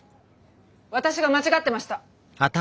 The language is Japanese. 私が間違ってました。